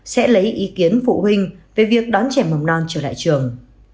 sẽ lấy ý kiến phụ huynh về việc đón trẻ mầm non trở lại trường